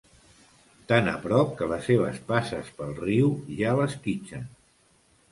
Tan a prop que les seves passes pel riu ja l'esquitxen.